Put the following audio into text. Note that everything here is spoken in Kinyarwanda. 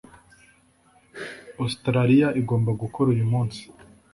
Australiya igomba gukora UYU MUNSI